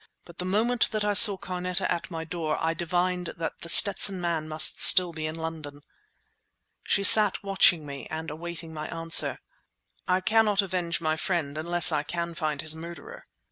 But the moment that I saw Carneta at my door I divined that The Stetson Man must still be in London. She sat watching me and awaiting my answer. "I cannot avenge my friend unless I can find his murderer."